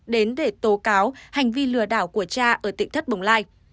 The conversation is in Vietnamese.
đến để tố cáo hành vi lừa đảo của cha ở tỉnh thất bồng lai